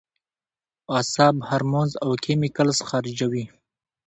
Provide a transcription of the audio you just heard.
اعصاب هارمونز او کېميکلز خارجوي